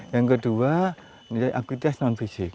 yang kedua ini adalah aktivitas non fisik